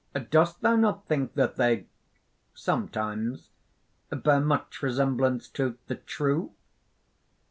"Dost thou not think that they ... sometimes ... bear much resemblance to the TRUE?"